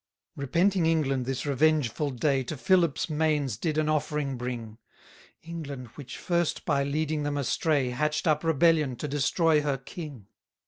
198 Repenting England this revengeful day To Philip's manes did an offering bring: England, which first by leading them astray, Hatch'd up rebellion to destroy her King.